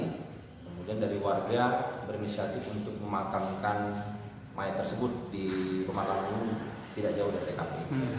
kemudian dari warga berinisiatif untuk memakamkan mayat tersebut di pemakaman umum tidak jauh dari tkp